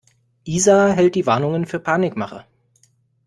Isa hält die Warnungen für Panikmache.